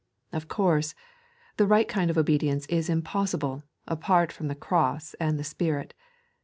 Of course, the right kind of obedience is impossible, apart from the Cross and the Spirit.